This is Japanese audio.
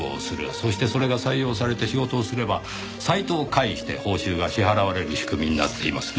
そしてそれが採用されて仕事をすればサイトを介して報酬が支払われる仕組みになっていますね。